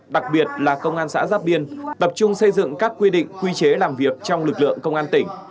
đặc biệt là công an xã giáp biên tập trung xây dựng các quy định quy chế làm việc trong lực lượng công an tỉnh